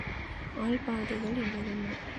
Alpha துகள் என்றால் என்ன?